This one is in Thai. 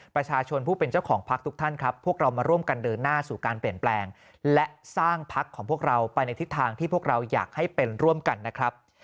ประชาชนผู้เป็นเจ้าของพักทุกท่านครับพวกเรามาร่วมกันเดินหน้าสู่การเปลี่ยนแปลงและสร้างพักของพวกเราไปในทิศทางที่พวกเราอยากให้เป็นร่วมกันนะครับ